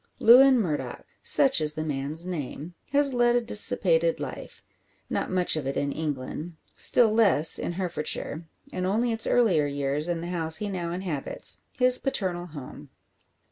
Lewin Murdock such is the man's name has led a dissipated life. Not much of it in England; still less in Herefordshire; and only its earlier years in the house he now inhabits his paternal home.